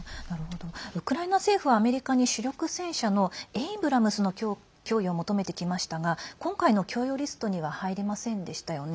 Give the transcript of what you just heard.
ウクライナ政府はアメリカに主力戦車のエイブラムスの供与を求めてきましたが今回の供与リストには入りませんでしたよね。